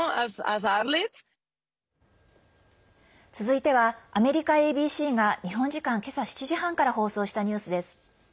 続いてはアメリカＡＢＣが日本時間けさ７時半から放送したニュースです。